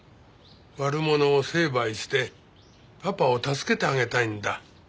悪者を成敗してパパを助けてあげたいんだ。